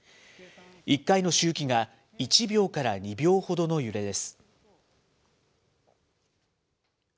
１回の周期が１秒から２秒ほどの揺れです。